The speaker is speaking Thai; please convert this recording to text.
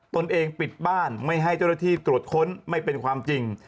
ตนเองปิดบ้านไม่ให้เจ้าหน้าที่ตรวจค้นไม่เป็นความจริง